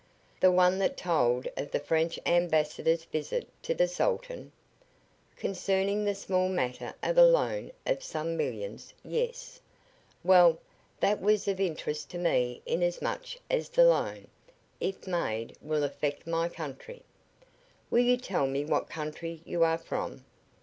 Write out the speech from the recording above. "The one that told of the French ambassador's visit to the Sultan?" "Concerning the small matter of a loan of some millions yes. Well, that was of interest to me inasmuch as the loan, if made, will affect my country." "Will you tell me what country you are from?"